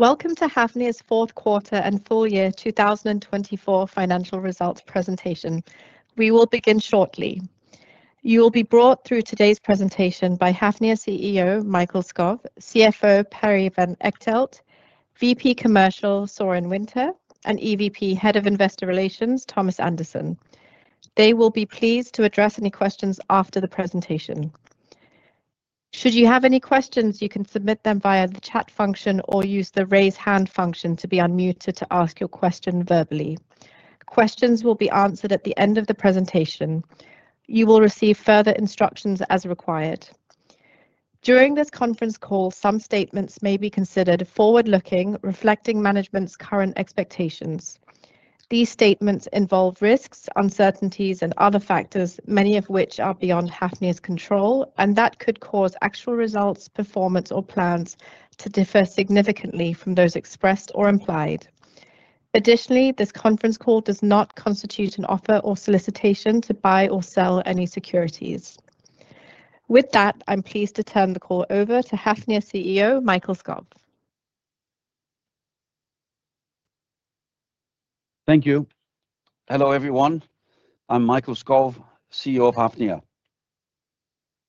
Welcome to Hafnia's Fourth Quarter and Full Year 2024 Financial Results Presentation. We will begin shortly. You will be brought through today's presentation by Hafnia CEO Mikael Skov, CFO Perry Van Echtelt, VP Commercial Søren Winther, and EVP Head of Investor Relations Thomas Andersen. They will be pleased to address any questions after the presentation. Should you have any questions, you can submit them via the chat function or use the raise hand function to be unmuted to ask your question verbally. Questions will be answered at the end of the presentation. You will receive further instructions as required. During this conference call, some statements may be considered forward-looking, reflecting management's current expectations. These statements involve risks, uncertainties, and other factors, many of which are beyond Hafnia's control, and that could cause actual results, performance, or plans to differ significantly from those expressed or implied. Additionally, this conference call does not constitute an offer or solicitation to buy or sell any securities. With that, I'm pleased to turn the call over to Hafnia CEO Mikael Skov. Thank you. Hello everyone. I'm Mikael Skov, CEO of Hafnia.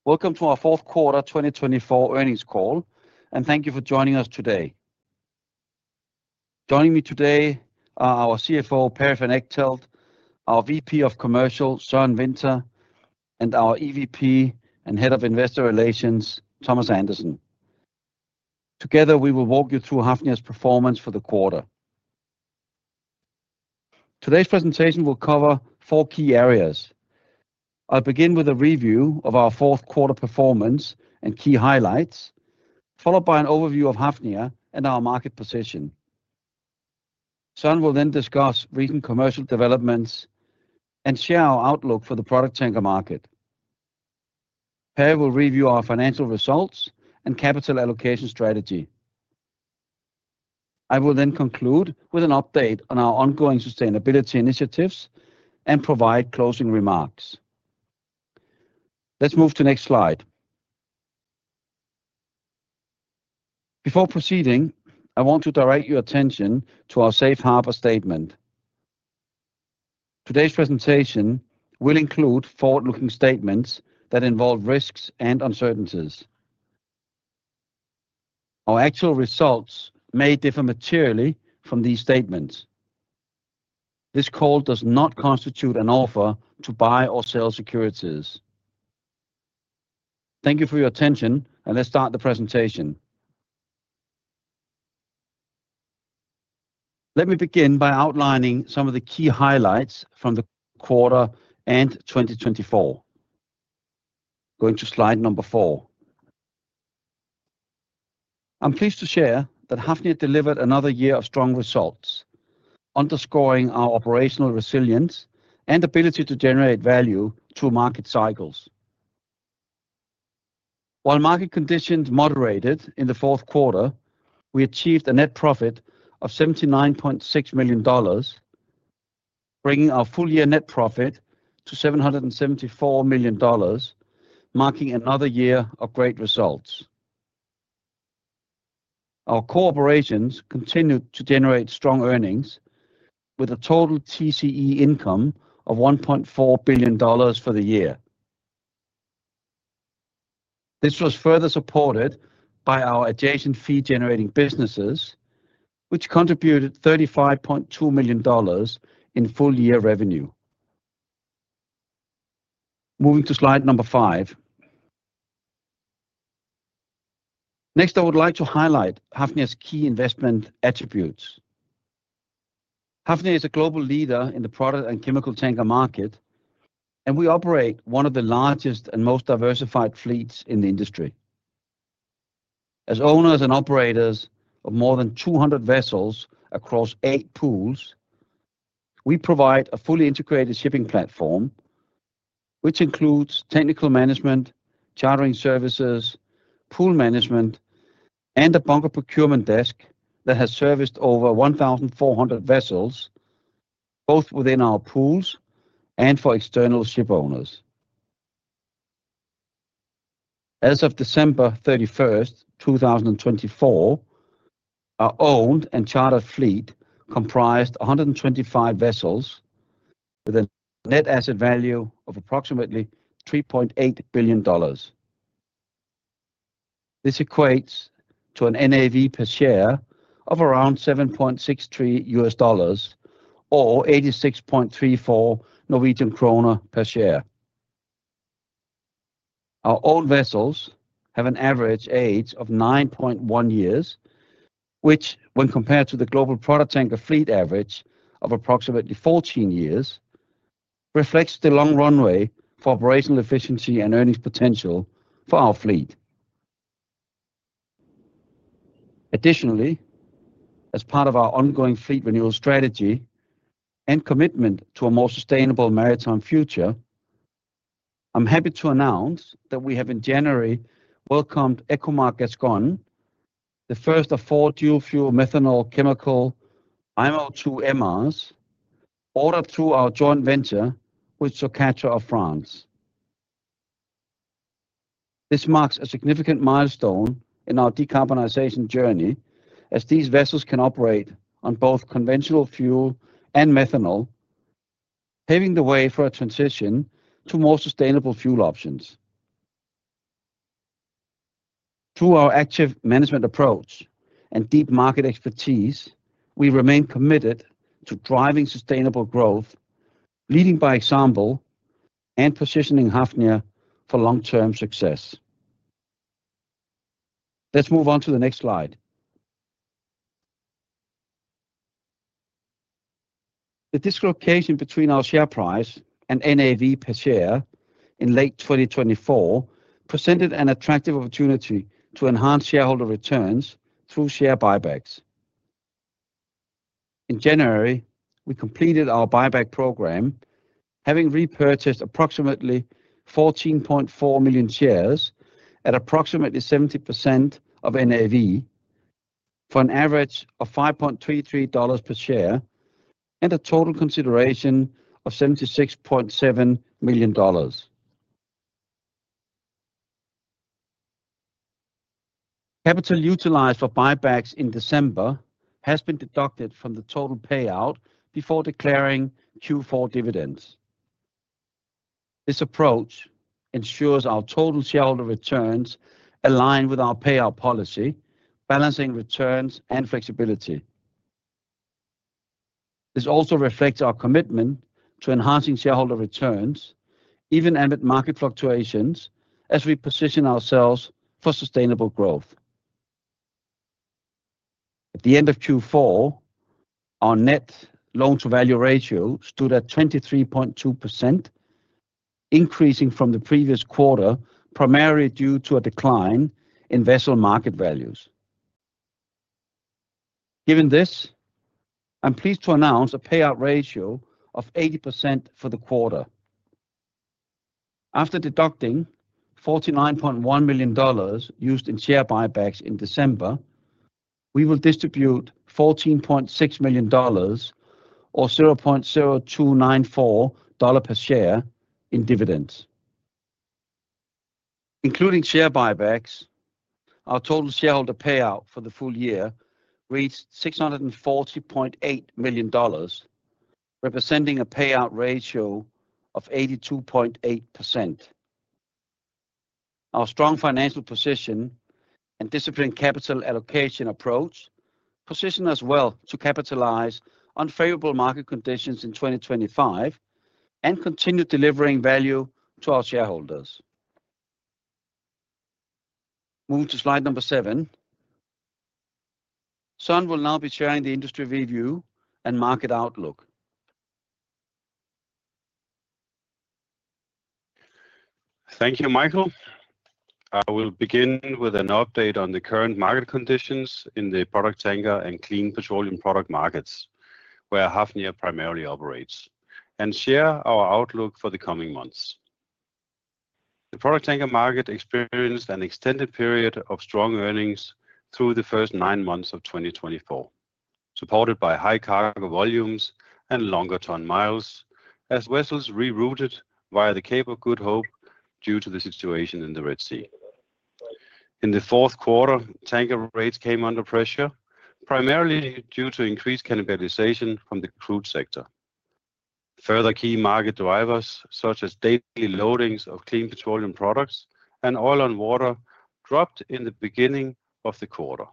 Welcome to our Fourth Quarter 2024 Earnings Call, and thank you for joining us today. Joining me today are our CFO Perry Van Echtelt, our VP of Commercial Søren Winther, and our EVP and Head of Investor Relations Thomas Andersen. Together, we will walk you through Hafnia's performance for the quarter. Today's presentation will cover four key areas. I'll begin with a review of our fourth quarter performance and key highlights, followed by an overview of Hafnia and our market position. Søren will then discuss recent commercial developments and share our outlook for the product tanker market. Perry will review our financial results and capital allocation strategy. I will then conclude with an update on our ongoing sustainability initiatives and provide closing remarks. Let's move to the next slide. Before proceeding, I want to direct your attention to our Safe Harbor Statement. Today's presentation will include forward-looking statements that involve risks and uncertainties. Our actual results may differ materially from these statements. This call does not constitute an offer to buy or sell securities. Thank you for your attention, and let's start the presentation. Let me begin by outlining some of the key highlights from the quarter end 2024. Going to slide number four. I'm pleased to share that Hafnia delivered another year of strong results, underscoring our operational resilience and ability to generate value through market cycles. While market conditions moderated in the fourth quarter, we achieved a net profit of $79.6 million, bringing our full year net profit to $774 million, marking another year of great results. Our core operations continued to generate strong earnings, with a total TCE income of $1.4 billion for the year. This was further supported by our adjacent fee-generating businesses, which contributed $35.2 million in full year revenue. Moving to slide number five. Next, I would like to highlight Hafnia's key investment attributes. Hafnia is a global leader in the product and chemical tanker market, and we operate one of the largest and most diversified fleets in the industry. As owners and operators of more than 200 vessels across eight pools, we provide a fully integrated shipping platform, which includes technical management, chartering services, pool management, and a bunker procurement desk that has serviced over 1,400 vessels, both within our pools and for external ship owners. As of December 31st, 2024, our owned and chartered fleet comprised 125 vessels with a net asset value of approximately $3.8 billion. This equates to an NAV per share of around $7.63 or NOK 86.34 per share. Our owned vessels have an average age of 9.1 years, which, when compared to the global product tanker fleet average of approximately 14 years, reflects the long runway for operational efficiency and earnings potential for our fleet. Additionally, as part of our ongoing fleet renewal strategy and commitment to a more sustainable maritime future, I'm happy to announce that we have in January welcomed Ecomar Gascon, the first of four dual-fuel methanol chemical IMO 2 MRs ordered through our joint venture with Socatra of France. This marks a significant milestone in our decarbonization journey, as these vessels can operate on both conventional fuel and methanol, paving the way for a transition to more sustainable fuel options. Through our active management approach and deep market expertise, we remain committed to driving sustainable growth, leading by example and positioning Hafnia for long-term success. Let's move on to the next slide. The dislocation between our share price and NAV per share in late 2024 presented an attractive opportunity to enhance shareholder returns through share buybacks. In January, we completed our buyback program, having repurchased approximately 14.4 million shares at approximately 70% of NAV for an average of $5.33 per share and a total consideration of $76.7 million. Capital utilized for buybacks in December has been deducted from the total payout before declaring Q4 dividends. This approach ensures our total shareholder returns align with our payout policy, balancing returns and flexibility. This also reflects our commitment to enhancing shareholder returns, even amid market fluctuations, as we position ourselves for sustainable growth. At the end of Q4, our net loan-to-value ratio stood at 23.2%, increasing from the previous quarter, primarily due to a decline in vessel market values. Given this, I'm pleased to announce a payout ratio of 80% for the quarter. After deducting $49.1 million used in share buybacks in December, we will distribute $14.6 million or $0.0294 per share in dividends. Including share buybacks, our total shareholder payout for the full year reached $640.8 million, representing a payout ratio of 82.8%. Our strong financial position and disciplined capital allocation approach position us well to capitalize on favorable market conditions in 2025 and continue delivering value to our shareholders. Moving to slide number seven, Søren will now be sharing the industry review and market outlook. Thank you, Mikael. I will begin with an update on the current market conditions in the product tanker and clean petroleum product markets, where Hafnia primarily operates, and share our outlook for the coming months. The product tanker market experienced an extended period of strong earnings through the first nine months of 2024, supported by high cargo volumes and longer ton miles, as vessels rerouted via the Cape of Good Hope due to the situation in the Red Sea. In the fourth quarter, tanker rates came under pressure, primarily due to increased cannibalization from the crude sector. Further key market drivers, such as daily loadings of clean petroleum products and oil on water, dropped in the beginning of the quarter,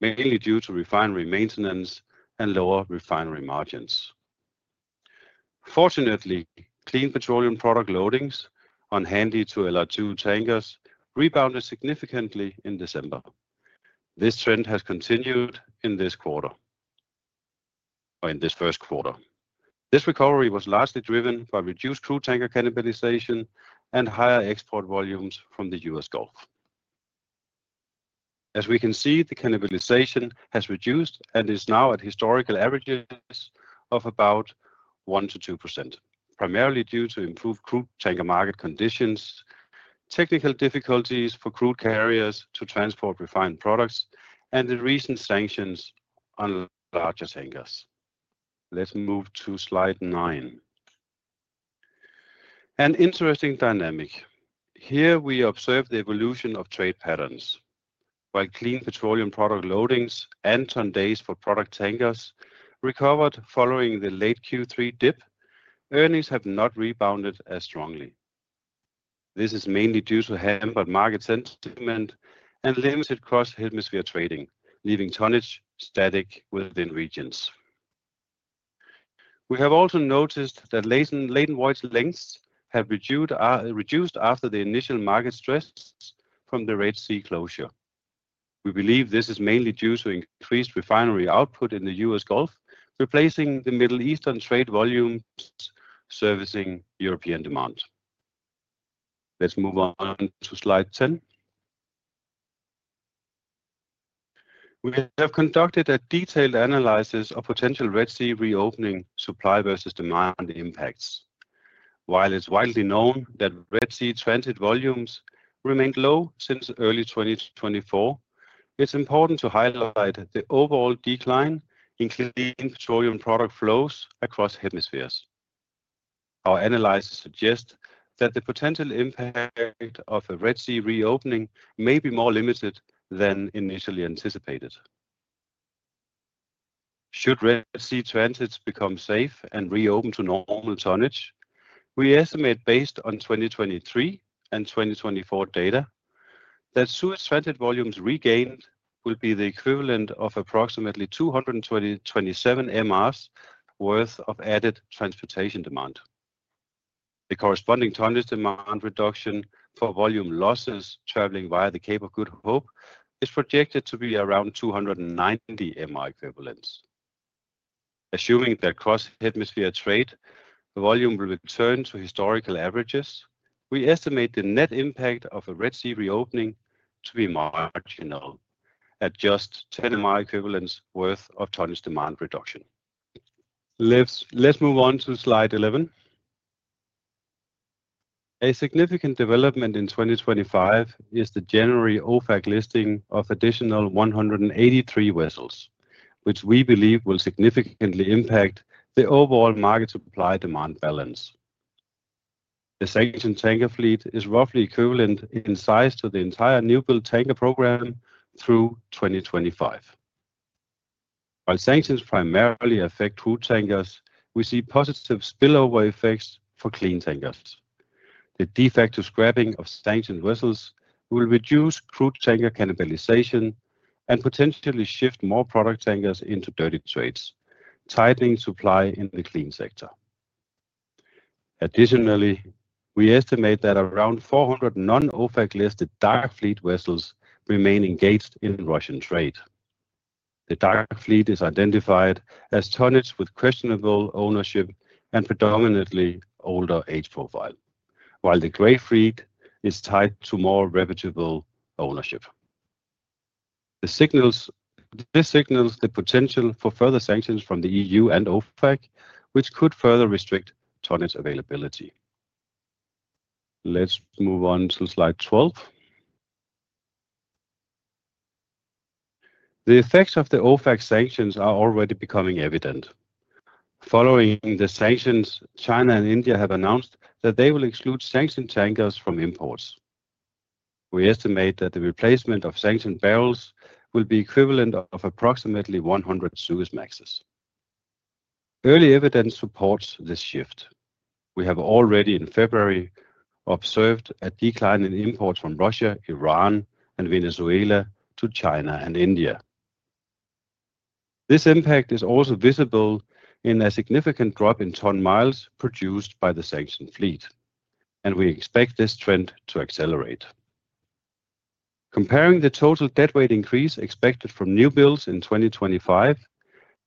mainly due to refinery maintenance and lower refinery margins. Fortunately, clean petroleum product loadings on Handy to LR2 tankers rebounded significantly in December. This trend has continued in this quarter, or in this first quarter. This recovery was largely driven by reduced crude tanker cannibalization and higher export volumes from the U.S. Gulf. As we can see, the cannibalization has reduced and is now at historical averages of about 1%-2%, primarily due to improved crude tanker market conditions, technical difficulties for crude carriers to transport refined products, and the recent sanctions on larger tankers. Let's move to slide nine. An interesting dynamic. Here we observe the evolution of trade patterns. While clean petroleum product loadings and tonnage for product tankers recovered following the late Q3 dip, earnings have not rebounded as strongly. This is mainly due to hampered market sentiment and limited cross-hemisphere trading, leaving tonnage static within regions. We have also noticed that latent void lengths have reduced after the initial market stress from the Red Sea closure. We believe this is mainly due to increased refinery output in the U.S. Gulf, replacing the Middle Eastern trade volumes servicing European demand. Let's move on to slide 10. We have conducted a detailed analysis of potential Red Sea reopening supply versus demand impacts. While it's widely known that Red Sea transit volumes remained low since early 2024, it's important to highlight the overall decline in clean petroleum product flows across hemispheres. Our analysis suggests that the potential impact of a Red Sea reopening may be more limited than initially anticipated. Should Red Sea transits become safe and reopen to normal tonnage, we estimate based on 2023 and 2024 data that Suez transit volumes regained will be the equivalent of approximately 227 MRs worth of added transportation demand. The corresponding tonnage demand reduction for volume losses traveling via the Cape of Good Hope is projected to be around 290 MR equivalents. Assuming that cross-hemisphere trade volume will return to historical averages, we estimate the net impact of a Red Sea reopening to be marginal, at just 10 MR equivalents worth of tonnage demand reduction. Let's move on to slide 11. A significant development in 2025 is the January OFAC listing of additional 183 vessels, which we believe will significantly impact the overall market supply-demand balance. The sanctioned tanker fleet is roughly equivalent in size to the entire new-build tanker program through 2025. While sanctions primarily affect crude tankers, we see positive spillover effects for clean tankers. The de facto scrapping of sanctioned vessels will reduce crude tanker cannibalization and potentially shift more product tankers into dirty trades, tightening supply in the clean sector. Additionally, we estimate that around 400 non-OFAC-listed dark fleet vessels remain engaged in Russian trade. The dark fleet is identified as tonnage with questionable ownership and predominantly older age profile, while the gray fleet is tied to more reputable ownership. This signals the potential for further sanctions from the EU and OFAC, which could further restrict tonnage availability. Let's move on to slide 12. The effects of the OFAC sanctions are already becoming evident. Following the sanctions, China and India have announced that they will exclude sanctioned tankers from imports. We estimate that the replacement of sanctioned barrels will be equivalent to approximately 100 Suezmaxes. Early evidence supports this shift. We have already in February observed a decline in imports from Russia, Iran, and Venezuela to China and India. This impact is also visible in a significant drop in ton miles produced by the sanctioned fleet, and we expect this trend to accelerate. Comparing the total deadweight increase expected from new builds in 2025,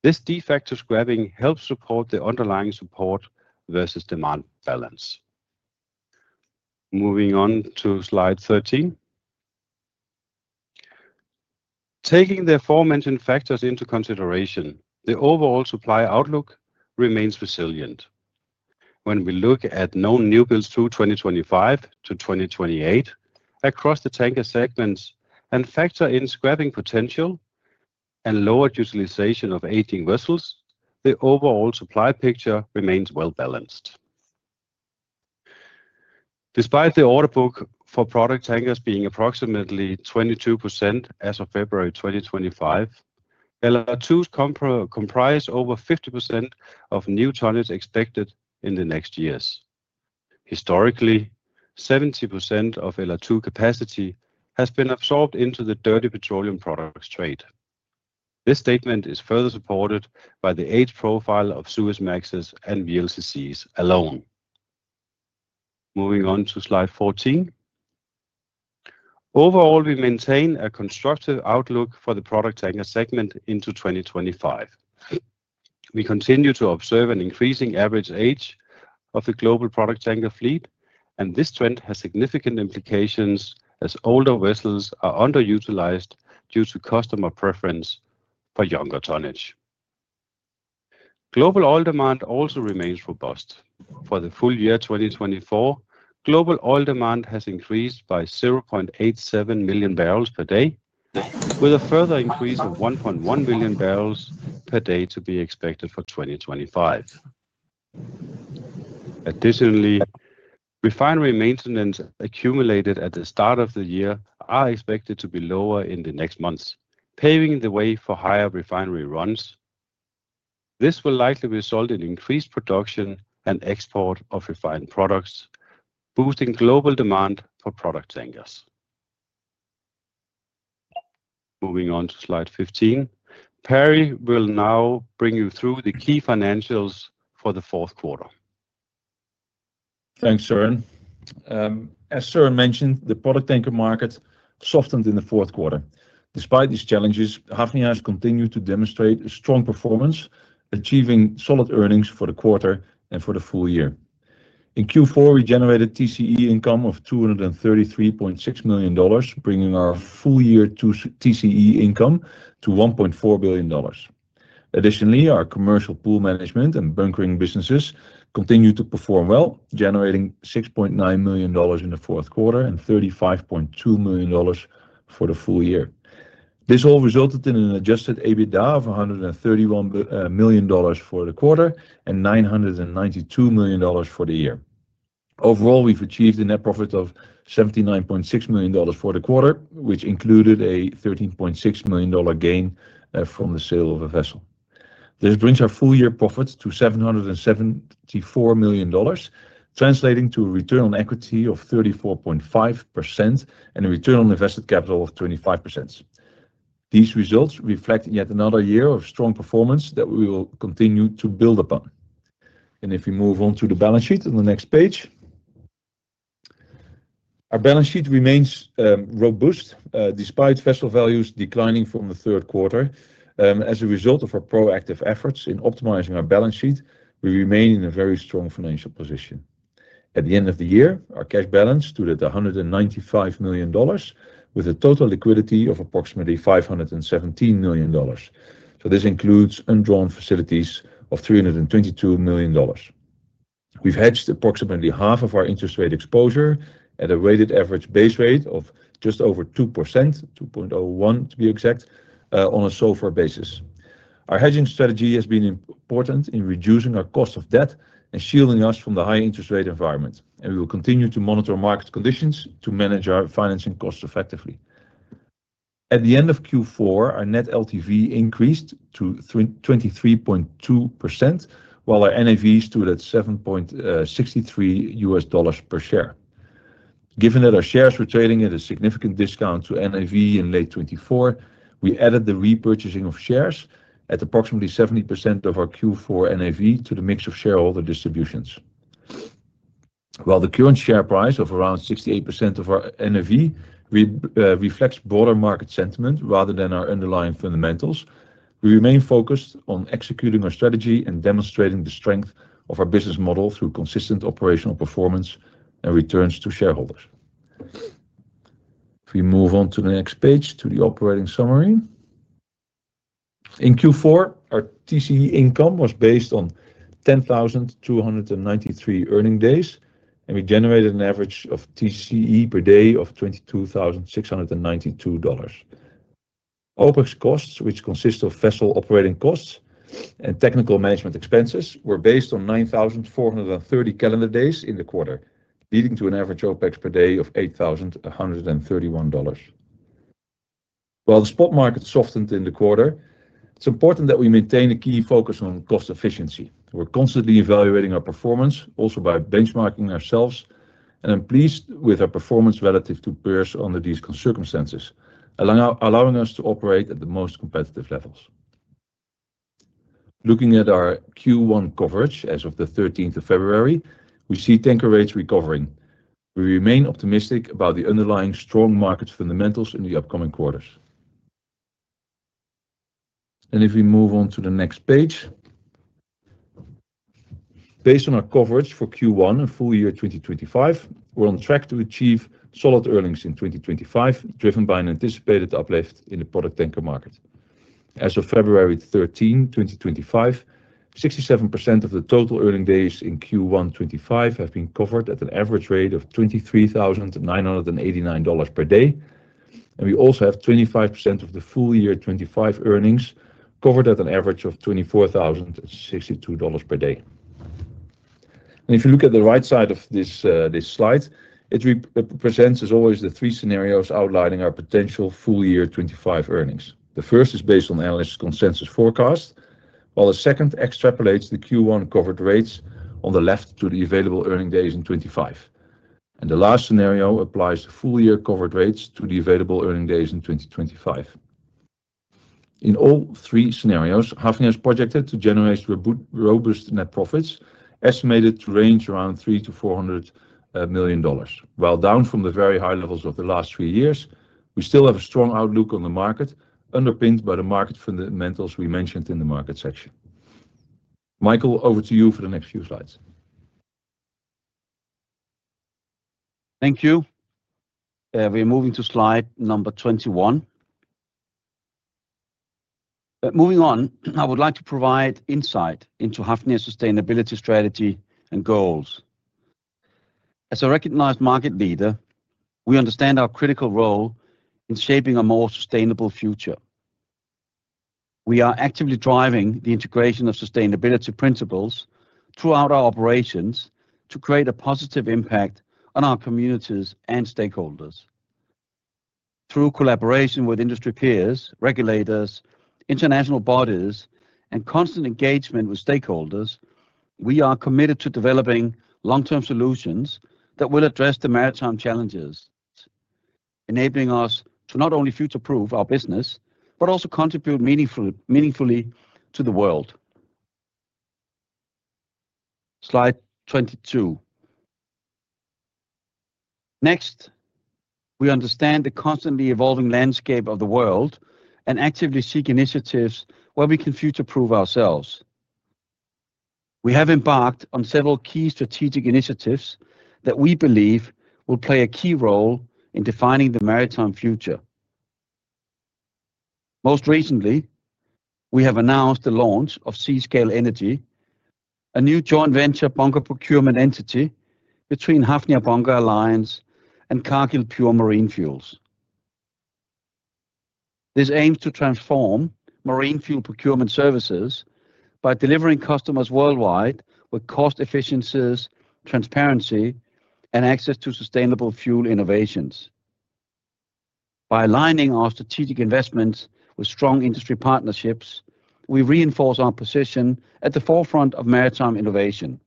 this de facto scrapping helps support the underlying supply versus demand balance. Moving on to slide 13. Taking the aforementioned factors into consideration, the overall supply outlook remains resilient. When we look at known new builds through 2025 to 2028 across the tanker segments and factor in scrapping potential and lower utilization of 18 vessels, the overall supply picture remains well-balanced. Despite the order book for product tankers being approximately 22% as of February 2025, LR2s comprise over 50% of new tonnage expected in the next years. Historically, 70% of LR2 capacity has been absorbed into the dirty petroleum products trade. This statement is further supported by the age profile of Suezmaxes and VLCCs alone. Moving on to slide 14. Overall, we maintain a constructive outlook for the product tanker segment into 2025. We continue to observe an increasing average age of the global product tanker fleet, and this trend has significant implications as older vessels are underutilized due to customer preference for younger tonnage. Global oil demand also remains robust. For the full year 2024, global oil demand has increased by 0.87 MMbpd, with a further increase of 1.1 million bpd to be expected for 2025. Additionally, refinery maintenance accumulated at the start of the year is expected to be lower in the next months, paving the way for higher refinery runs. This will likely result in increased production and export of refined products, boosting global demand for product tankers. Moving on to slide 15, Perry will now bring you through the key financials for the fourth quarter. Thanks, Søren. As Søren mentioned, the product tanker market softened in the fourth quarter. Despite these challenges, Hafnia has continued to demonstrate strong performance, achieving solid earnings for the quarter and for the full year. In Q4, we generated TCE income of $233.6 million, bringing our full year TCE income to $1.4 billion. Additionally, our commercial pool management and bunkering businesses continued to perform well, generating $6.9 million in the fourth quarter and $35.2 million for the full year. This all resulted in an Adjusted EBITDA of $131 million for the quarter and $992 million for the year. Overall, we've achieved a net profit of $79.6 million for the quarter, which included a $13.6 million gain from the sale of a vessel. This brings our full year profit to $774 million, translating to a return on equity of 34.5% and a return on invested capital of 25%. These results reflect yet another year of strong performance that we will continue to build upon, and if we move on to the balance sheet on the next page, our balance sheet remains robust despite vessel values declining from the third quarter. As a result of our proactive efforts in optimizing our balance sheet, we remain in a very strong financial position. At the end of the year, our cash balance stood at $195 million, with a total liquidity of approximately $517 million, so this includes undrawn facilities of $322 million. We've hedged approximately half of our interest rate exposure at a rated average base rate of just over 2%, 2.01 to be exact, on a SOFR basis. Our hedging strategy has been important in reducing our cost of debt and shielding us from the high interest rate environment. We will continue to monitor market conditions to manage our financing costs effectively. At the end of Q4, our net LTV increased to 23.2%, while our NAV stood at $7.63 per share. Given that our shares were trading at a significant discount to NAV in late 2024, we added the repurchasing of shares at approximately 70% of our Q4 NAV to the mix of shareholder distributions. While the current share price of around 68% of our NAV reflects broader market sentiment rather than our underlying fundamentals, we remain focused on executing our strategy and demonstrating the strength of our business model through consistent operational performance and returns to shareholders. If we move on to the next page to the operating summary. In Q4, our TCE income was based on 10,293 earning days, and we generated an average of TCE per day of $22,692. OPEX costs, which consist of vessel operating costs and technical management expenses, were based on 9,430 calendar days in the quarter, leading to an average OPEX per day of $8,131. While the spot market softened in the quarter, it's important that we maintain a key focus on cost efficiency. We're constantly evaluating our performance also by benchmarking ourselves, and I'm pleased with our performance relative to peers under these circumstances, allowing us to operate at the most competitive levels. Looking at our Q1 coverage as of the 13th of February, we see tanker rates recovering. We remain optimistic about the underlying strong market fundamentals in the upcoming quarters, and if we move on to the next page, based on our coverage for Q1 and full year 2025, we're on track to achieve solid earnings in 2025, driven by an anticipated uplift in the product tanker market. As of February 13, 2025, 67% of the total earning days in Q1 2025 have been covered at an average rate of $23,989 per day. And we also have 25% of the full year 2025 earnings covered at an average of $24,062 per day. And if you look at the right side of this slide, it represents, as always, the three scenarios outlining our potential full year 2025 earnings. The first is based on analyst consensus forecast, while the second extrapolates the Q1 covered rates on the left to the available earning days in 2025. And the last scenario applies to full year covered rates to the available earning days in 2025. In all three scenarios, Hafnia is projected to generate robust net profits estimated to range around $300-$400 million. While down from the very high levels of the last three years, we still have a strong outlook on the market, underpinned by the market fundamentals we mentioned in the market section. Mikael, over to you for the next few slides. Thank you. We are moving to slide number 21. Moving on, I would like to provide insight into Hafnia's sustainability strategy and goals. As a recognized market leader, we understand our critical role in shaping a more sustainable future. We are actively driving the integration of sustainability principles throughout our operations to create a positive impact on our communities and stakeholders. Through collaboration with industry peers, regulators, international bodies, and constant engagement with stakeholders, we are committed to developing long-term solutions that will address the maritime challenges, enabling us to not only future-proof our business, but also contribute meaningfully to the world. Slide 22. Next, we understand the constantly evolving landscape of the world and actively seek initiatives where we can future-proof ourselves. We have embarked on several key strategic initiatives that we believe will play a key role in defining the maritime future. Most recently, we have announced the launch of Seascale Energy, a new joint venture bunker procurement entity between Hafnia Bunker Alliance and Cargill Pure Marine Fuels. This aims to transform marine fuel procurement services by delivering customers worldwide with cost efficiencies, transparency, and access to sustainable fuel innovations. By aligning our strategic investments with strong industry partnerships, we reinforce our position at the forefront of maritime innovation.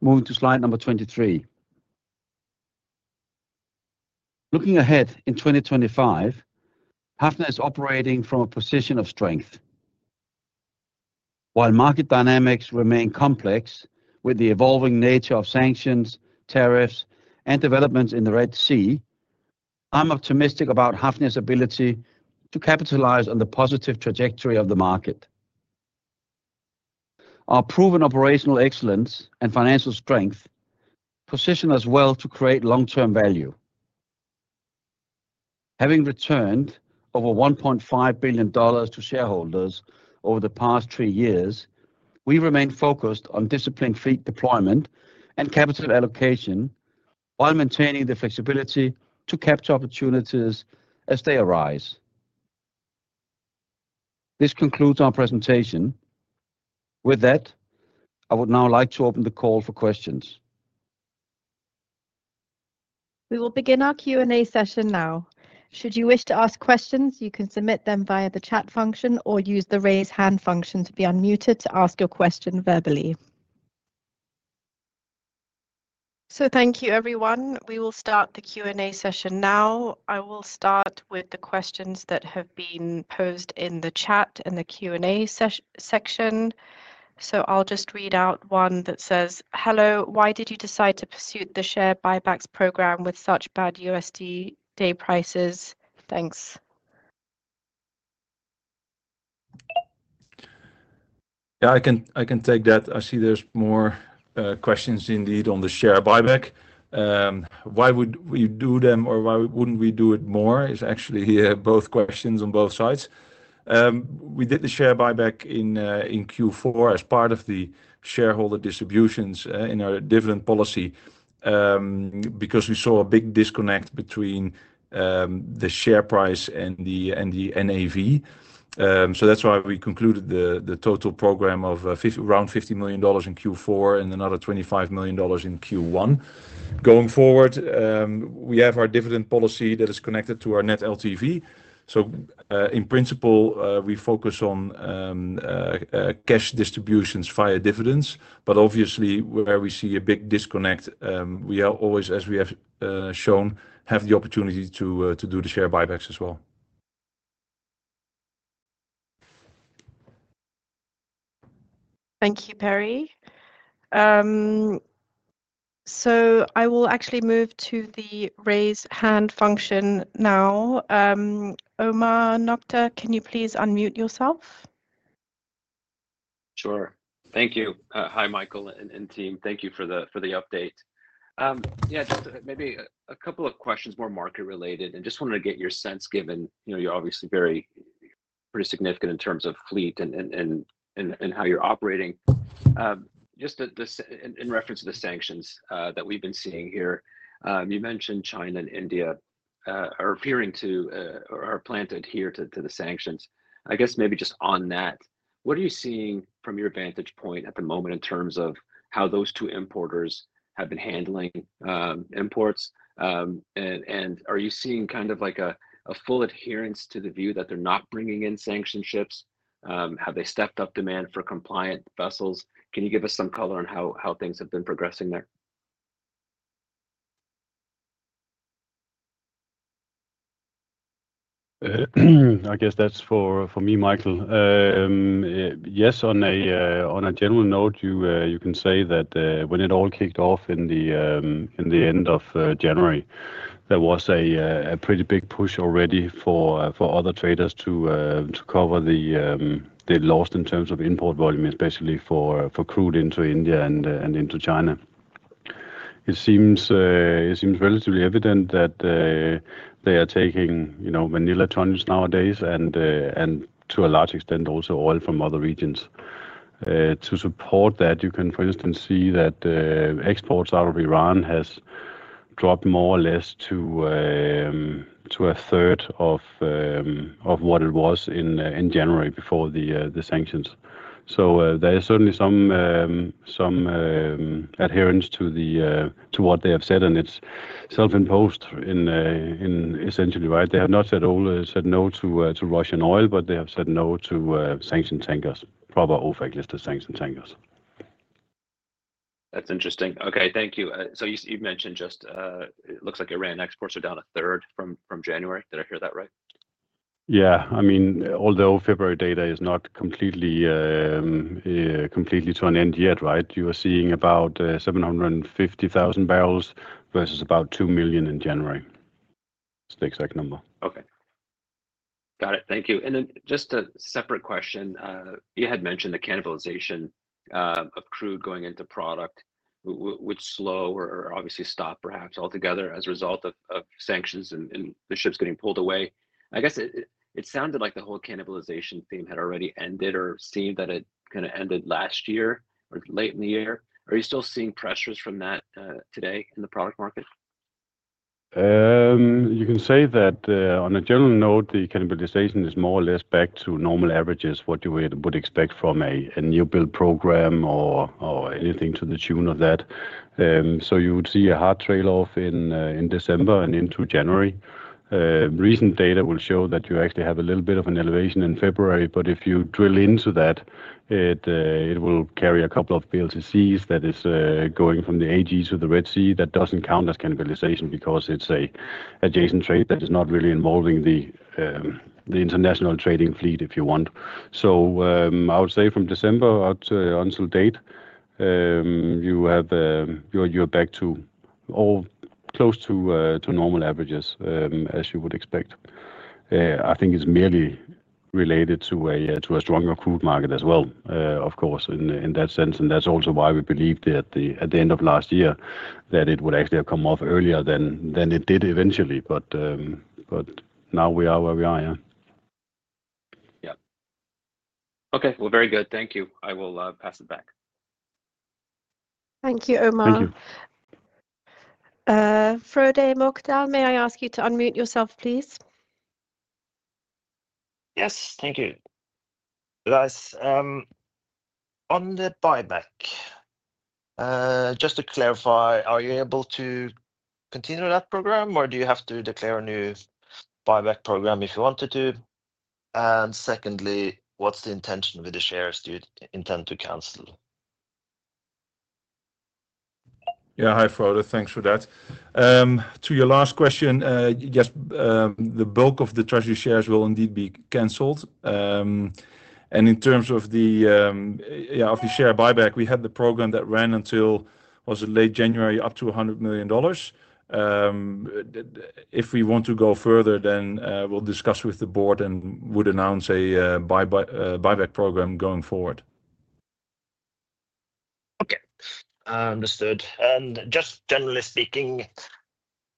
Moving to slide number 23. Looking ahead in 2025, Hafnia is operating from a position of strength. While market dynamics remain complex with the evolving nature of sanctions, tariffs, and developments in the Red Sea, I'm optimistic about Hafnia's ability to capitalize on the positive trajectory of the market. Our proven operational excellence and financial strength position us well to create long-term value. Having returned over $1.5 billion to shareholders over the past three years, we remain focused on disciplined fleet deployment and capital allocation while maintaining the flexibility to capture opportunities as they arise. This concludes our presentation. With that, I would now like to open the call for questions. We will begin our Q&A session now. Should you wish to ask questions, you can submit them via the chat function or use the raise hand function to be unmuted to ask your question verbally. So thank you, everyone. We will start the Q&A session now. I will start with the questions that have been posed in the chat and the Q&A section. So I'll just read out one that says, "Hello, why did you decide to pursue the share buyback program with such bad USD today prices?" Thanks. Yeah, I can take that. I see there's more questions indeed on the share buyback. Why would we do them or why wouldn't we do it more is actually both questions on both sides. We did the share buyback in Q4 as part of the shareholder distributions in our dividend policy because we saw a big disconnect between the share price and the NAV. So that's why we concluded the total program of around $50 million in Q4 and another $25 million in Q1. Going forward, we have our dividend policy that is connected to our net LTV. So in principle, we focus on cash distributions via dividends. But obviously, where we see a big disconnect, we always, as we have shown, have the opportunity to do the share buybacks as well. Thank you, Perry. I will actually move to the raise hand function now. Omar Nokta, can you please unmute yourself? Sure. Thank you. Hi, Mikael and team. Thank you for the update. Yeah, just maybe a couple of questions more market-related and just wanted to get your sense given you're obviously very pretty significant in terms of fleet and how you're operating. Just in reference to the sanctions that we've been seeing here, you mentioned China and India are appearing to or are adhering to the sanctions. I guess maybe just on that, what are you seeing from your vantage point at the moment in terms of how those two importers have been handling imports? And are you seeing kind of like a full adherence to the view that they're not bringing in sanctioned ships? Have they stepped up demand for compliant vessels? Can you give us some color on how things have been progressing there? I guess that's for me, Mikael. Yes, on a general note, you can say that when it all kicked off in the end of January, there was a pretty big push already for other traders to cover the loss in terms of import volume, especially for crude into India and into China. It seems relatively evident that they are taking vanilla tonnes nowadays and to a large extent also oil from other regions. To support that, you can, for instance, see that exports out of Iran have dropped more or less to a third of what it was in January before the sanctions. So there is certainly some adherence to what they have said and it's self-imposed essentially, right? They have not said no to Russian oil, but they have said no to sanctioned tankers, proper OFAC listed sanctioned tankers. That's interesting. Okay, thank you. So you mentioned just it looks like Iran exports are down a third from January. Did I hear that right? Yeah, I mean, although February data is not completely to hand yet, right? You are seeing about 750,000 bbl versus about 2 million in January. It's the exact number. Okay. Got it. Thank you. And then just a separate question. You had mentioned the cannibalization of crude going into product, which slowed or obviously stopped perhaps altogether as a result of sanctions and the ships getting pulled away. I guess it sounded like the whole cannibalization theme had already ended or seemed that it kind of ended last year or late in the year. Are you still seeing pressures from that today in the product market? You can say that on a general note, the cannibalization is more or less back to normal averages, what you would expect from a new build program or anything to the tune of that. So you would see a hard trail off in December and into January. Recent data will show that you actually have a little bit of an elevation in February, but if you drill into that, it will carry a couple of VLCCs that are going from the AG to the Red Sea that doesn't count as cannibalization because it's an adjacent trade that is not really involving the international trading fleet, if you want. So I would say from December until date, you are back to close to normal averages, as you would expect. I think it's merely related to a stronger crude market as well, of course, in that sense. And that's also why we believed at the end of last year that it would actually have come off earlier than it did eventually. But now we are where we are, yeah. Yeah. Okay. Well, very good. Thank you. I will pass it back. Thank you, Omar. Thank you. Frode Mørkedal, may I ask you to unmute yourself, please? Yes, thank you. Right. On the buyback, just to clarify, are you able to continue that program, or do you have to declare a new buyback program if you wanted to? And secondly, what's the intention with the shares you intend to cancel? Yeah, hi Frode, thanks for that. To your last question, yes, the bulk of the treasury shares will indeed be canceled. And in terms of the share buyback, we had the program that ran until late January up to $100 million. If we want to go further, then we'll discuss with the board and would announce a buyback program going forward. Okay. Understood, and just generally speaking,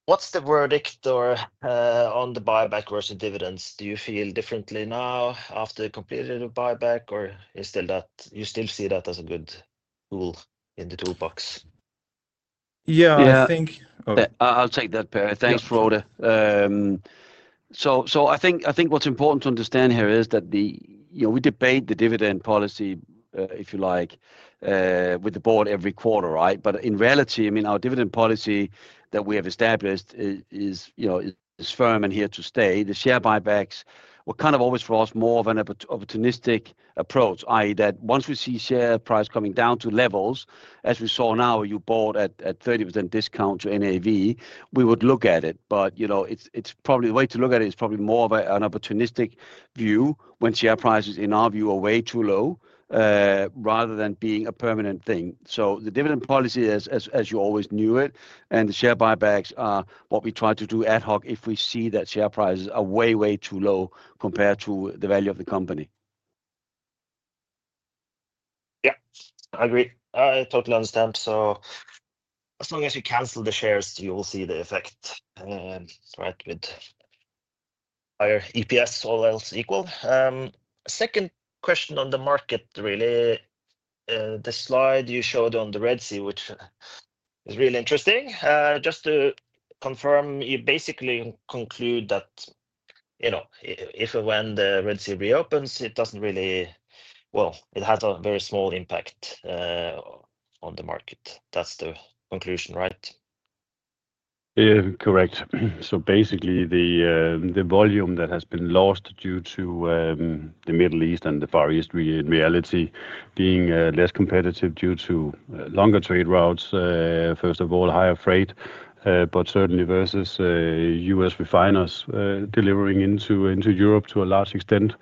what's the verdict on the buyback versus dividends? Do you feel differently now after completing the buyback, or is it that you still see that as a good tool in the toolbox? Yeah, I think. I'll take that, Perry. Thanks, Frode. So I think what's important to understand here is that we debate the dividend policy, if you like, with the board every quarter, right? But in reality, I mean, our dividend policy that we have established is firm and here to stay. The share buybacks were kind of always for us more of an opportunistic approach, i.e., that once we see share price coming down to levels, as we saw now, you bought at 30% discount to NAV, we would look at it. But it's probably the way to look at it is probably more of an opportunistic view when share prices, in our view, are way too low rather than being a permanent thing. So the dividend policy is as you always knew it, and the share buybacks are what we try to do ad hoc if we see that share prices are way, way too low compared to the value of the company. Yeah, I agree. I totally understand. So as long as you cancel the shares, you will see the effect, right, with higher EPS, all else equal. Second question on the market, really, the slide you showed on the Red Sea, which is really interesting. Just to confirm, you basically conclude that if and when the Red Sea reopens, it doesn't really, well, it has a very small impact on the market. That's the conclusion, right? Correct. So basically, the volume that has been lost due to the Middle East and the Far East, really, in reality, being less competitive due to longer trade routes, first of all, higher freight, but certainly versus U.S. refiners delivering into Europe to a large extent.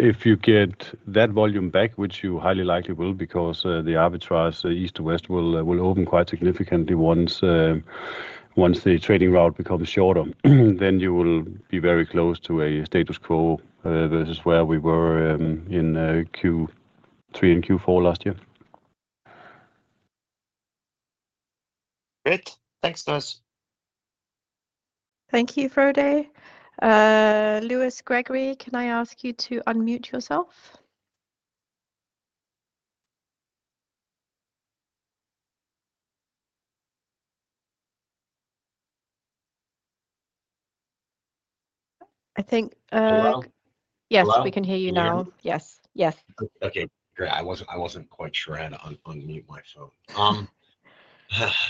If you get that volume back, which you highly likely will because the arbitrage east to west will open quite significantly once the trading route becomes shorter, then you will be very close to a status quo versus where we were in Q3 and Q4 last year. Great. Thanks, Nurs. Thank you, Frode. Lewis Gregory, can I ask you to unmute yourself? I think. Hello? Yes, we can hear you now. Hello? Yes. Yes. Okay. Great. I wasn't quite sure how to unmute my phone.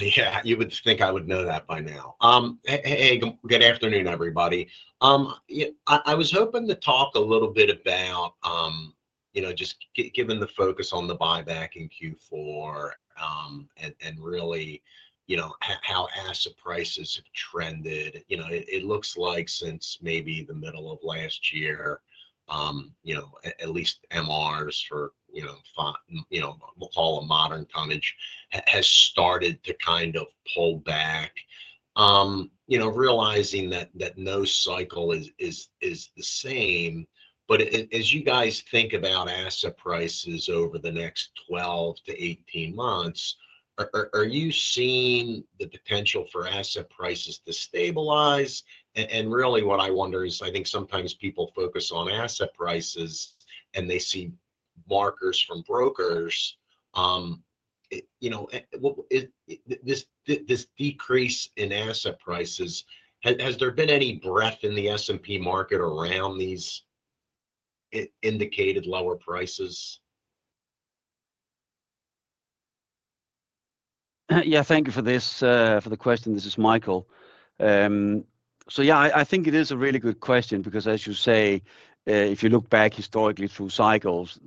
Yeah, you would think I would know that by now. Hey, good afternoon, everybody. I was hoping to talk a little bit about just given the focus on the buyback in Q4 and really how asset prices have trended. It looks like since maybe the middle of last year, at least MRs for what we'll call a modern tonnage has started to kind of pull back, realizing that no cycle is the same. But as you guys think about asset prices over the next 12-18 months, are you seeing the potential for asset prices to stabilize? And really, what I wonder is I think sometimes people focus on asset prices and they see markers from brokers. This decrease in asset prices, has there been any breadth in the S&P market around these indicated lower prices? Yeah, thank you for this question. This is Mikael. So yeah, I think it is a really good question because, as you say, if you look back historically through cycles,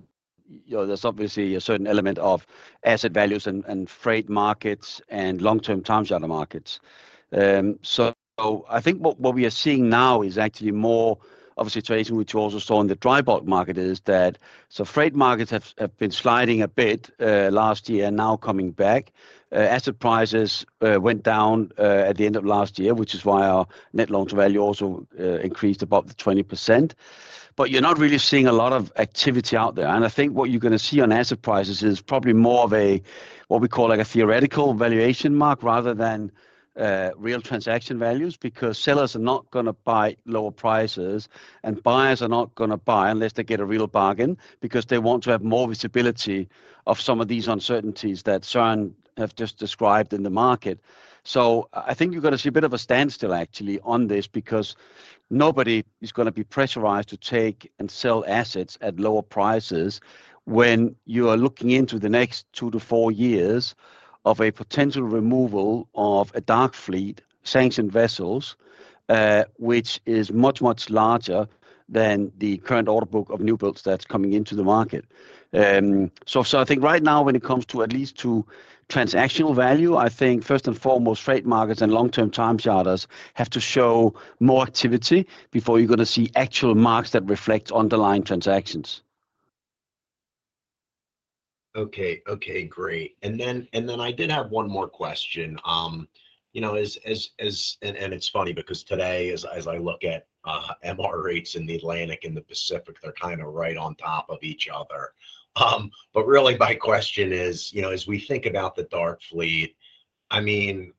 there's obviously a certain element of asset values and freight markets and long-term time charter markets. So I think what we are seeing now is actually more of a situation which we also saw in the dry bulk market is that freight markets have been sliding a bit last year and now coming back. Asset prices went down at the end of last year, which is why our net loan-to-value also increased about 20%. But you're not really seeing a lot of activity out there. And I think what you're going to see on asset prices is probably more of what we call a theoretical valuation mark rather than real transaction values because sellers are not going to buy lower prices and buyers are not going to buy unless they get a real bargain because they want to have more visibility of some of these uncertainties that Søren have just described in the market. So I think you're going to see a bit of a standstill actually on this because nobody is going to be pressurized to take and sell assets at lower prices when you are looking into the next two to four years of a potential removal of a Dark Fleet sanctioned vessels, which is much, much larger than the current order book of new builds that's coming into the market. So I think right now, when it comes to at least to transactional value, I think first and foremost, freight markets and long-term time charters have to show more activity before you're going to see actual marks that reflect underlying transactions. Okay. Okay. Great. And then I did have one more question. And it's funny because today, as I look at MR rates in the Atlantic and the Pacific, they're kind of right on top of each other. But really, my question is, as we think about the dark fleet, I mean,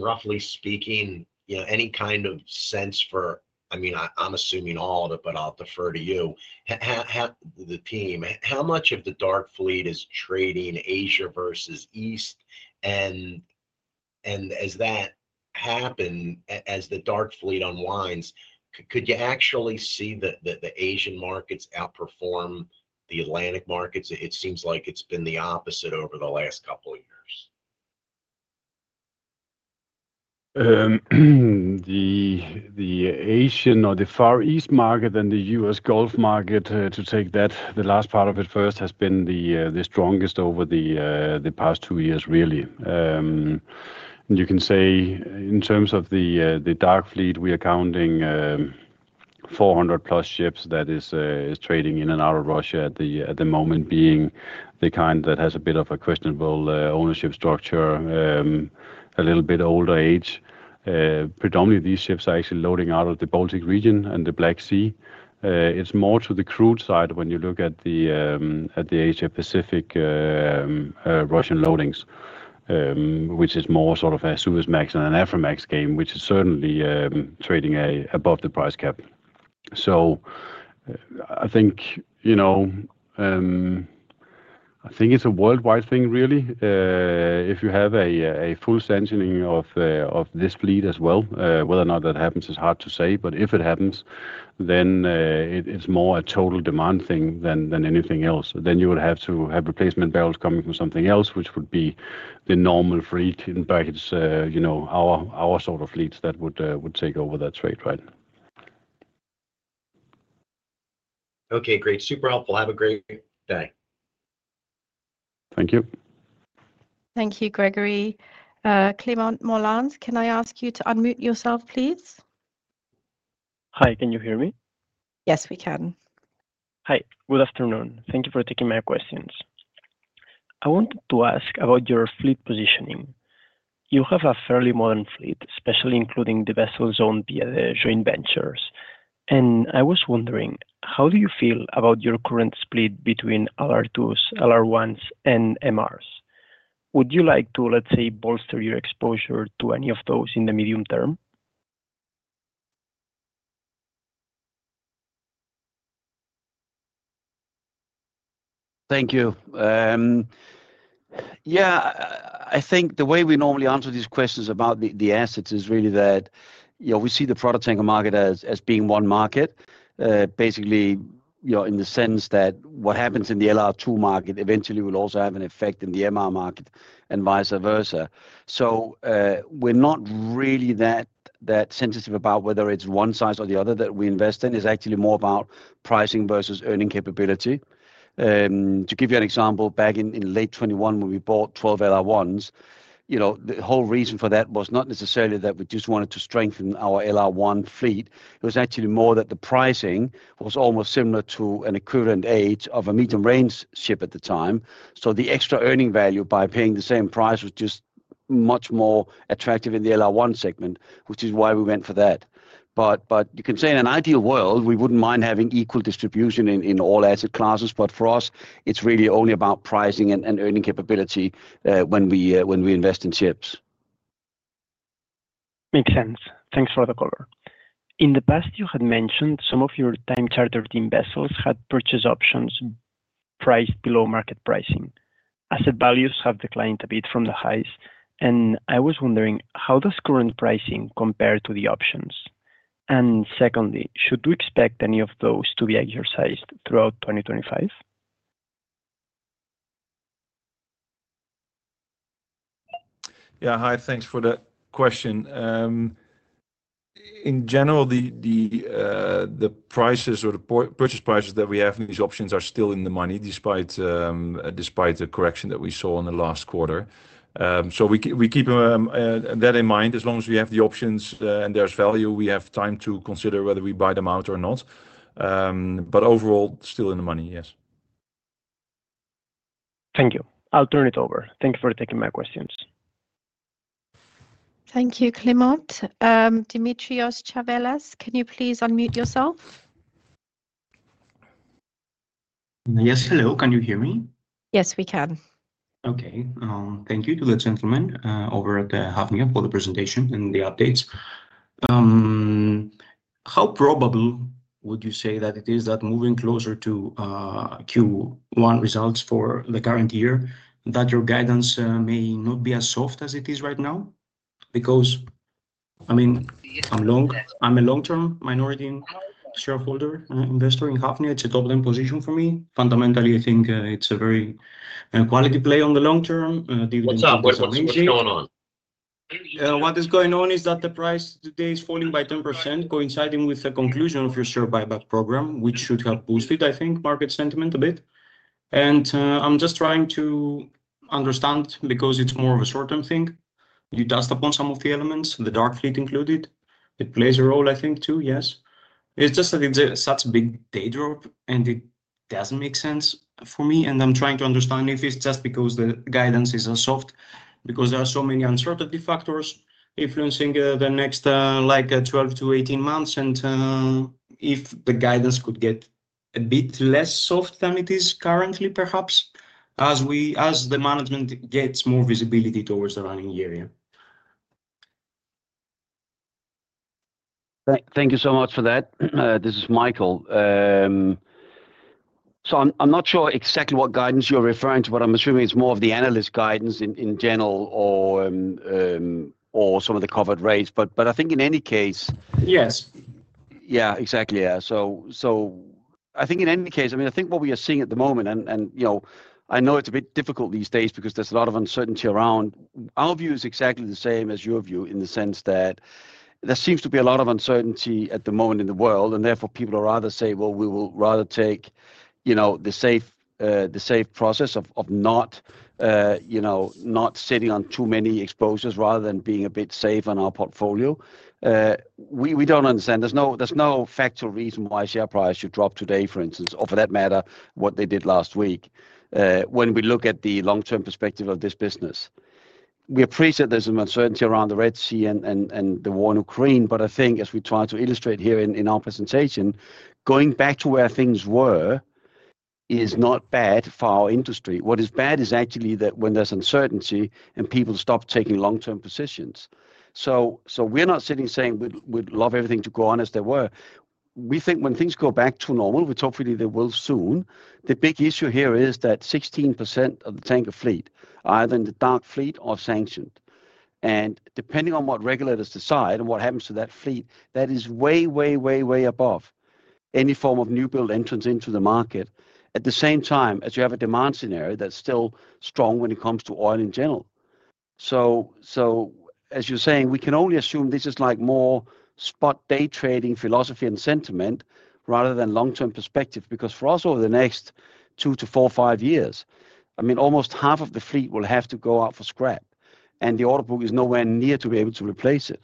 roughly speaking, any kind of sense for, I mean, I'm assuming all of it, but I'll defer to you, the team, how much of the dark fleet is trading Asia versus East? And as that happens, as the dark fleet unwinds, could you actually see the Asian markets outperform the Atlantic markets? It seems like it's been the opposite over the last couple of years. The Asian or the Far East market and the U.S. Gulf market, to take that, the last part of it first, has been the strongest over the past two years, really, and you can say in terms of the dark fleet, we are counting 400-plus ships that are trading in and out of Russia at the moment, being the kind that has a bit of a questionable ownership structure, a little bit older age. Predominantly, these ships are actually loading out of the Baltic Region and the Black Sea. It's more to the crude side when you look at the Asia-Pacific Russian loadings, which is more sort of a Suezmax and an Afrimax game, which is certainly trading above the price cap, so I think it's a worldwide thing, really. If you have a full sanctioning of this fleet as well, whether or not that happens is hard to say, but if it happens, then it's more a total demand thing than anything else. Then you would have to have replacement barrels coming from something else, which would be the normal freight in packages, our sort of fleets that would take over that trade, right? Okay. Great. Super helpful. Have a great day. Thank you. Thank you, Gregory. Clément Molins, can I ask you to unmute yourself, please? Hi. Can you hear me? Yes, we can. Hi. Good afternoon. Thank you for taking my questions. I wanted to ask about your fleet positioning. You have a fairly modern fleet, especially including the vessels owned via the joint ventures. And I was wondering, how do you feel about your current split between LR2s, LR1s, and MRs? Would you like to, let's say, bolster your exposure to any of those in the medium term? Thank you. Yeah. I think the way we normally answer these questions about the assets is really that we see the product tanker market as being one market, basically in the sense that what happens in the LR2 market eventually will also have an effect in the MR market and vice versa. So we're not really that sensitive about whether it's one size or the other that we invest in. It's actually more about pricing versus earning capability. To give you an example, back in late 2021, when we bought 12 LR1s, the whole reason for that was not necessarily that we just wanted to strengthen our LR1 fleet. It was actually more that the pricing was almost similar to an equivalent age of a medium-range ship at the time. So the extra earning value by paying the same price was just much more attractive in the LR1 segment, which is why we went for that. But you can say in an ideal world, we wouldn't mind having equal distribution in all asset classes, but for us, it's really only about pricing and earning capability when we invest in ships. Makes sense. Thanks for the colour. In the past, you had mentioned some of your time charter vessels had purchase options priced below market pricing. Asset values have declined a bit from the highs. And I was wondering, how does current pricing compare to the options? And secondly, should we expect any of those to be exercised throughout 2025? Yeah. Hi. Thanks for the question. In general, the prices or the purchase prices that we have in these options are still in the money despite the correction that we saw in the last quarter. So we keep that in mind. As long as we have the options and there's value, we have time to consider whether we buy them out or not. But overall, still in the money, yes. Thank you. I'll turn it over. Thanks for taking my questions. Thank you, Clément. Dimitrios Tzavelas, can you please unmute yourself? Yes. Hello. Can you hear me? Yes, we can. Okay. Thank you to the gentlemen over at the Hafnia for the presentation and the updates. How probable would you say that it is that moving closer to Q1 results for the current year, that your guidance may not be as soft as it is right now? Because, I mean, I'm a long-term minority shareholder investor in Hafnia. It's a top-end position for me. Fundamentally, I think it's a very quality play on the long term. What's up? What's going on? What is going on is that the price today is falling by 10%, coinciding with the conclusion of your share buyback program, which should have boosted, I think, market sentiment a bit. And I'm just trying to understand because it's more of a short-term thing. You touched upon some of the elements, the Dark Fleet included. It plays a role, I think, too, yes. It's just that it's such a big day drop, and it doesn't make sense for me. And I'm trying to understand if it's just because the guidance is soft, because there are so many uncertainty factors influencing the next 12-18 months. And if the guidance could get a bit less soft than it is currently, perhaps, as the management gets more visibility towards the running year, yeah. Thank you so much for that. This is Mikael, so I'm not sure exactly what guidance you're referring to, but I'm assuming it's more of the analyst guidance in general or some of the covered rates, but I think in any case. Yes. Yeah, exactly. Yeah. So I think in any case, I mean, I think what we are seeing at the moment, and I know it's a bit difficult these days because there's a lot of uncertainty around, our view is exactly the same as your view in the sense that there seems to be a lot of uncertainty at the moment in the world. And therefore, people will rather say, "Well, we will rather take the safe process of not sitting on too many exposures rather than being a bit safe on our portfolio." We don't understand. There's no factual reason why share price should drop today, for instance, or for that matter, what they did last week when we look at the long-term perspective of this business. We appreciate there's an uncertainty around the Red Sea and the war in Ukraine, but I think as we try to illustrate here in our presentation, going back to where things were is not bad for our industry. What is bad is actually that when there's uncertainty and people stop taking long-term positions. So we're not sitting saying we'd love everything to go on as they were. We think when things go back to normal, which hopefully they will soon, the big issue here is that 16% of the tanker fleet are either in the dark fleet or sanctioned, and depending on what regulators decide and what happens to that fleet, that is way, way, way, way above any form of new build entrance into the market at the same time as you have a demand scenario that's still strong when it comes to oil in general. So as you're saying, we can only assume this is like more spot day trading philosophy and sentiment rather than long-term perspective because for us, over the next two to four, five years, I mean, almost half of the fleet will have to go out for scrap. And the order book is nowhere near to be able to replace it.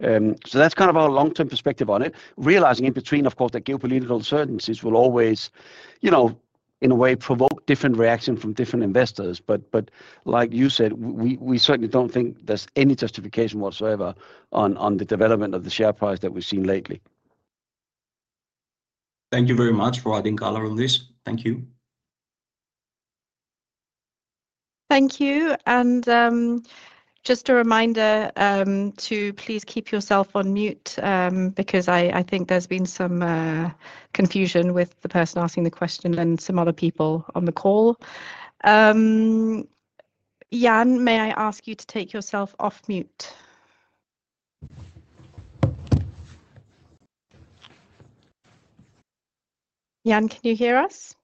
So that's kind of our long-term perspective on it. Realizing in between, of course, that geopolitical uncertainties will always, in a way, provoke different reactions from different investors. But like you said, we certainly don't think there's any justification whatsoever on the development of the share price that we've seen lately. Thank you very much for adding color on this. Thank you. Thank you. And just a reminder to please keep yourself on mute because I think there's been some confusion with the person asking the question and some other people on the call. Jan, may I ask you to take yourself off mute? Jan, can you hear us?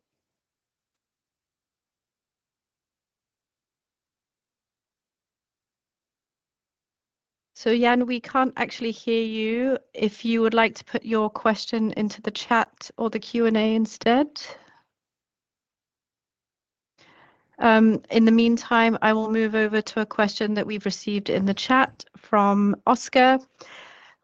So Jan, we can't actually hear you. If you would like to put your question into the chat or the Q&A instead. In the meantime, I will move over to a question that we've received in the chat from Oscar.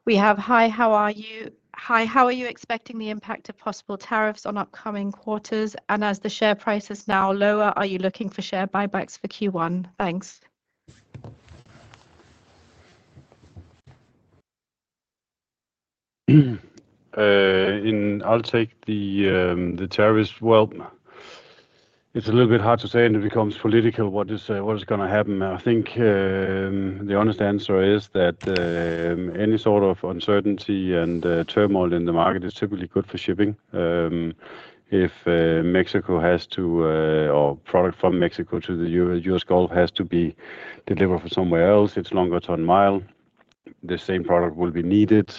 We have, "Hi, how are you?" Hi, how are you expecting the impact of possible tariffs on upcoming quarters? And as the share price is now lower, are you looking for share buybacks for Q1? Thanks. I'll take the tariffs. Well, it's a little bit hard to say when it becomes political what is going to happen. I think the honest answer is that any sort of uncertainty and turmoil in the market is typically good for shipping. If Mexico has to, or product from Mexico to the U.S. Gulf has to be delivered from somewhere else, it's longer ton-mile. The same product will be needed.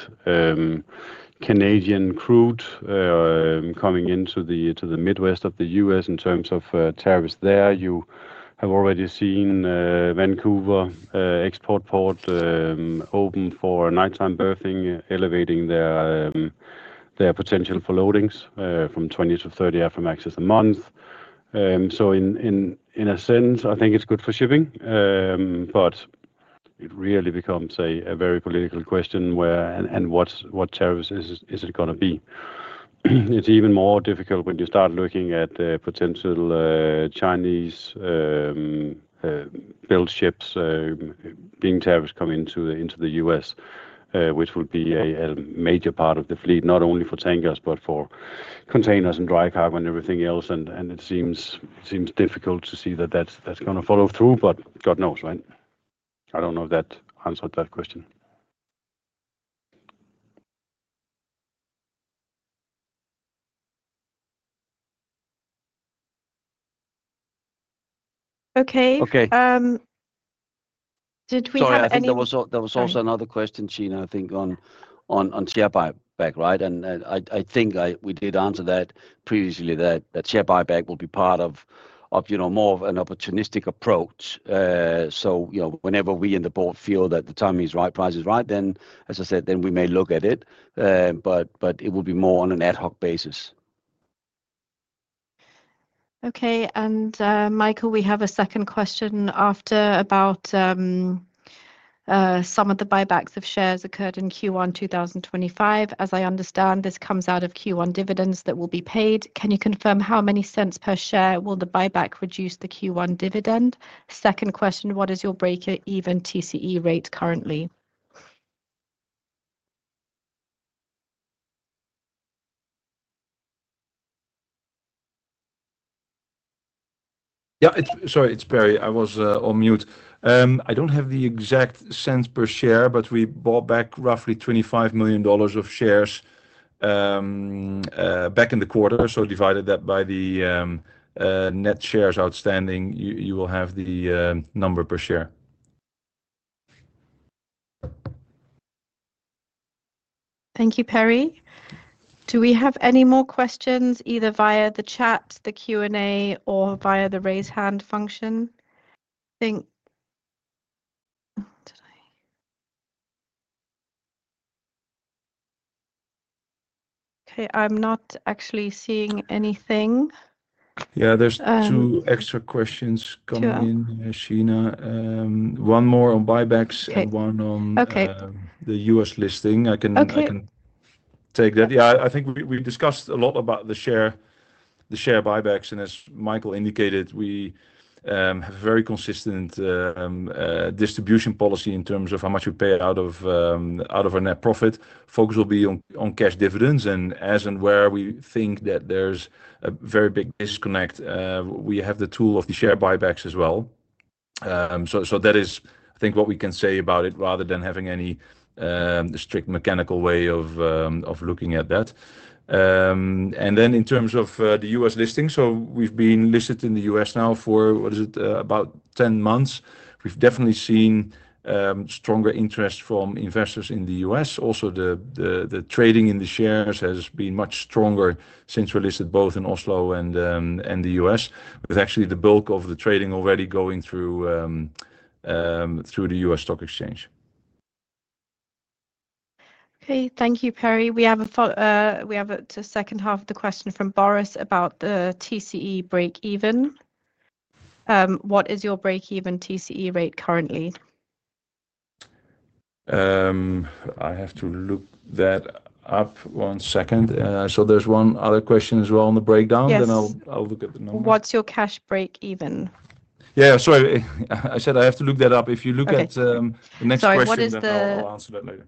Canadian crude coming into the Midwest of the U.S. in terms of tariffs there. You have already seen Vancouver export port open for nighttime berthing, elevating their potential for loadings from 20 to 30 Aframaxes a month. So in a sense, I think it's good for shipping, but it really becomes a very political question where and what tariffs is it going to be? It's even more difficult when you start looking at potential Chinese-built ships being tariffed coming into the U.S., which will be a major part of the fleet, not only for tankers, but for containers and dry cargo and everything else. And it seems difficult to see that that's going to follow through, but God knows, right? I don't know if that answered that question. Okay. Okay. Did we have any? There was also another question, Sheena, I think, on share buyback, right? And I think we did answer that previously, that share buyback will be part of more of an opportunistic approach. So whenever we in the board feel that the timing is right, price is right, then, as I said, then we may look at it, but it will be more on an ad hoc basis. Okay. And Mikael, we have a second question after about some of the buybacks of shares occurred in Q1 2025. As I understand, this comes out of Q1 dividends that will be paid. Can you confirm how many cents per share will the buyback reduce the Q1 dividend? Second question, what is your break-even TCE rate currently? Yeah. Sorry, it's Perry. I was on mute. I don't have the exact cents per share, but we bought back roughly $25 million of shares back in the quarter. So divided that by the net shares outstanding, you will have the number per share. Thank you, Perry. Do we have any more questions either via the chat, the Q&A, or via the raise hand function? I think. Did I? Okay. I'm not actually seeing anything. Yeah, there are two extra questions coming in, Sheena. One more on buybacks and one on the U.S. listing. I can take that. Yeah. I think we discussed a lot about the share buybacks. And as Mikael indicated, we have a very consistent distribution policy in terms of how much we pay out of our net profit. Focus will be on cash dividends. And as and where we think that there's a very big disconnect, we have the tool of the share buybacks as well. So that is, I think, what we can say about it rather than having any strict mechanical way of looking at that. And then in terms of the U.S. listing, so we've been listed in the U.S. now for, what is it, about 10 months. We've definitely seen stronger interest from investors in the U.S. Also, the trading in the shares has been much stronger since we're listed both in Oslo and the U.S., with actually the bulk of the trading already going through the U.S. stock exchange. Okay. Thank you, Perry. We have a second half of the question from Boris about the TCE break-even. What is your break-even TCE rate currently? I have to look that up. One second, so there's one other question as well on the breakdown, then I'll look at the number. What's your cash break-even? Yeah. Sorry. I said I have to look that up. If you look at the next question, I'll answer that later.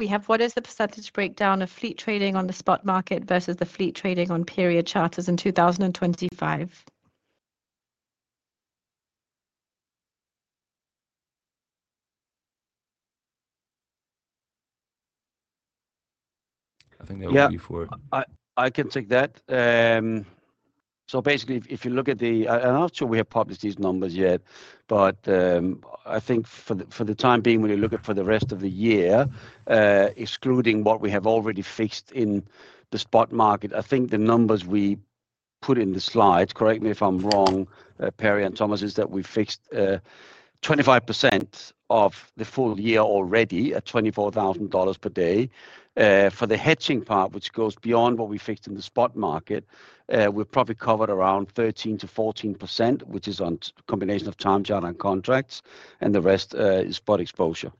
We have, "What is the percentage breakdown of fleet trading on the spot market versus the fleet trading on period charters in 2025? I think that would be for. Yeah. I can take that. So basically, if you look at the, I'm not sure we have published these numbers yet, but I think for the time being, when you look at for the rest of the year, excluding what we have already fixed in the spot market, I think the numbers we put in the slides, correct me if I'm wrong, Perry and Thomas, is that we fixed 25% of the full year already at $24,000 per day. For the hedging part, which goes beyond what we fixed in the spot market, we've probably covered around 13%-14%, which is on a combination of time charter and contracts, and the rest is spot exposure.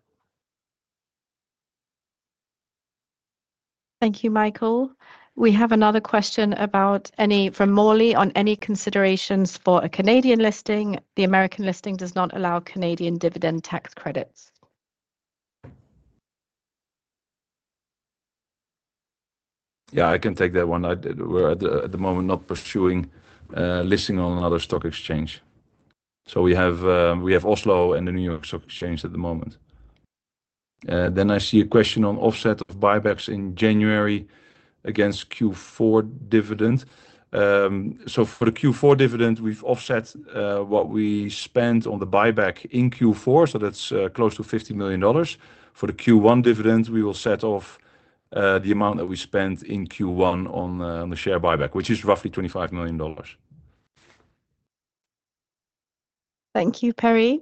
Thank you, Mikael. We have another question from Morley on any considerations for a Canadian listing. The American listing does not allow Canadian dividend tax credits. Yeah, I can take that one. We're at the moment not pursuing listing on another stock exchange. So we have Oslo and the New York Stock Exchange at the moment. Then I see a question on offset of buybacks in January against Q4 dividend. So for the Q4 dividend, we've offset what we spent on the buyback in Q4. So that's close to $50 million. For the Q1 dividend, we will set off the amount that we spent in Q1 on the share buyback, which is roughly $25 million. Thank you, Perry.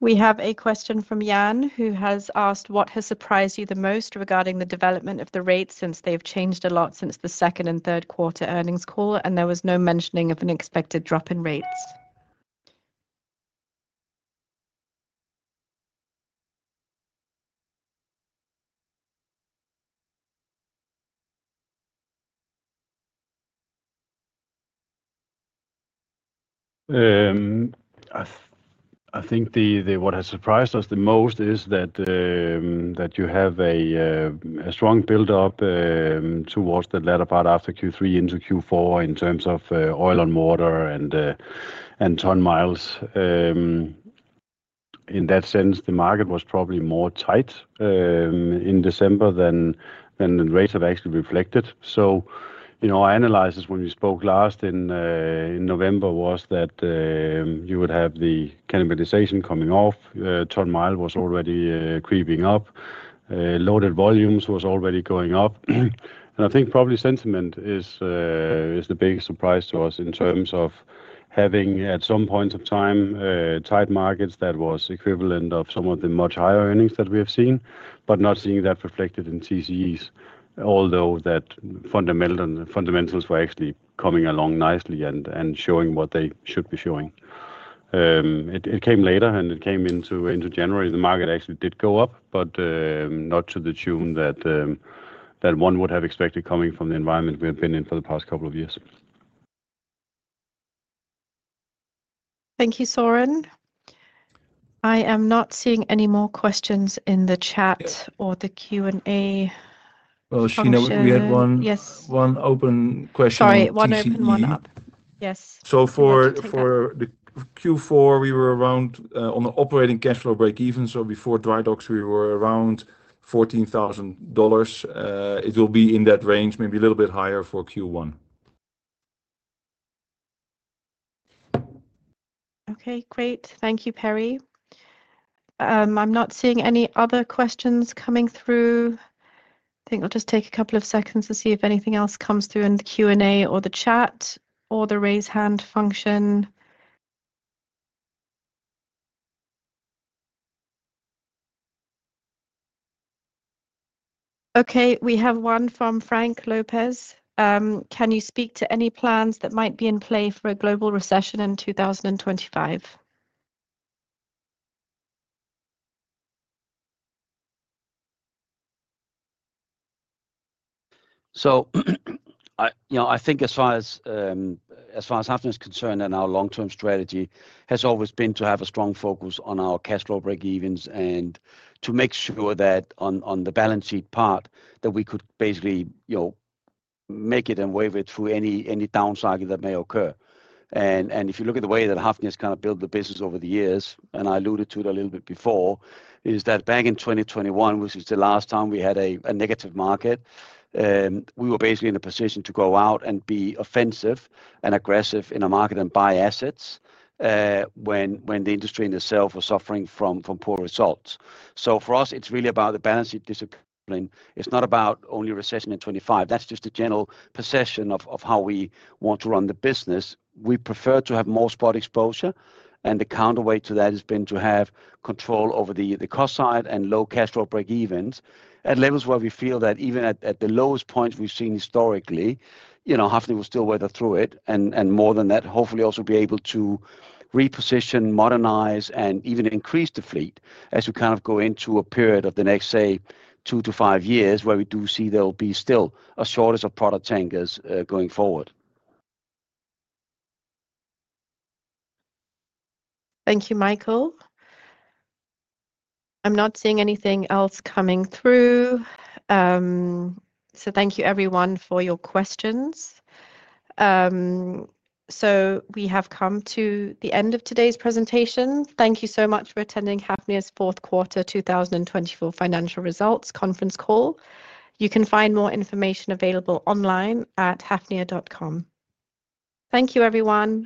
We have a question from Jan, who has asked, "What has surprised you the most regarding the development of the rates since they have changed a lot since the second and third quarter earnings call, and there was no mentioning of an expected drop in rates? I think what has surprised us the most is that you have a strong build-up towards the latter part after Q3 into Q4 in terms of oil and water and ton miles. In that sense, the market was probably more tight in December than the rates have actually reflected. So our analysis when we spoke last in November was that you would have the cannibalization coming off. Ton mile was already creeping up. Loaded volumes were already going up. And I think probably sentiment is the biggest surprise to us in terms of having at some point of time tight markets that was equivalent of some of the much higher earnings that we have seen, but not seeing that reflected in TCEs, although that fundamentals were actually coming along nicely and showing what they should be showing. It came later, and it came into January. The market actually did go up, but not to the tune that one would have expected coming from the environment we have been in for the past couple of years. Thank you, Søren. I am not seeing any more questions in the chat or the Q&A. Sheena, we had one open question. Sorry, one open one up. Yes. For Q4, we were around on the operating cash flow break-even. Before dry docks, we were around $14,000. It will be in that range, maybe a little bit higher for Q1. Okay. Great. Thank you, Perry. I'm not seeing any other questions coming through. I think I'll just take a couple of seconds to see if anything else comes through in the Q&A or the chat or the raise hand function. Okay. We have one from Frank Lopez. Can you speak to any plans that might be in play for a global recession in 2025? I think as far as happening is concerned, our long-term strategy has always been to have a strong focus on our cash flow break-evens and to make sure that on the balance sheet part, that we could basically make it and weather it through any downside that may occur. If you look at the way that Hafnia has kind of built the business over the years, and I alluded to it a little bit before, is that back in 2021, which is the last time we had a negative market, we were basically in a position to go out and be offensive and aggressive in a market and buy assets when the industry in itself was suffering from poor results. For us, it's really about the balance sheet discipline. It's not about only recession in 2025. That's just a general perception of how we want to run the business. We prefer to have more spot exposure, and the counterweight to that has been to have control over the cost side and low cash flow break-evens at levels where we feel that even at the lowest points we've seen historically, Hafnia will still weather through it, and more than that, hopefully also be able to reposition, modernize, and even increase the fleet as we kind of go into a period of the next, say, two to five years where we do see there will be still a shortage of product tankers going forward. Thank you, Mikael. I'm not seeing anything else coming through. So thank you, everyone, for your questions. So we have come to the end of today's presentation. Thank you so much for attending Hafnia's Fourth Quarter 2024 Financial Results Conference Call. You can find more information available online at hafnia.com. Thank you, everyone.